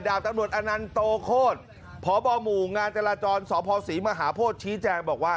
ตำรวจอนันโตโคตรพบหมู่งานจราจรสพศรีมหาโพธิชี้แจงบอกว่า